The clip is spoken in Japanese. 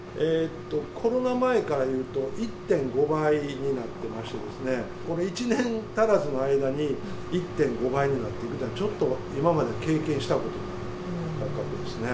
コロナ前からいうと、１．５倍になってまして、これ、１年足らずの間に１．５倍になってるというのは、ちょっと今まで経験したことのない価格ですね。